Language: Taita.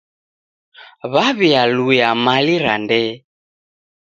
W'aw'ialuya mali ra ndee.